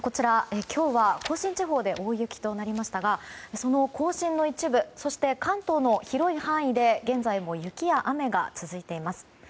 今日は甲信地方で大雪となりましたがその甲信の一部そして、関東の広い範囲で現在も雪や雨が続いています。